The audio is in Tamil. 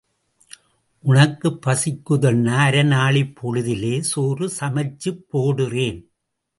உனக்கு பசிக்குதுன்னா அரை நாழிப் பொழுதிலே சோறு சமைச்சுப் போடுறேன்.